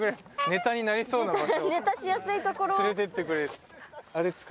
ネタになりそうな場所連れてってくれる。